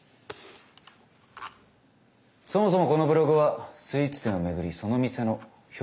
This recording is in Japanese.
そもそもこのブログはスイーツ店を巡りその店の評価をするものだ。